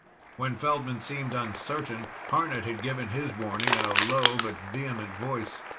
When Feldman seemed uncertain, Harnett had given his warning in a low but vehement voice.